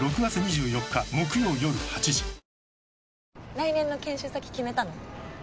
来年の研修先決めたの？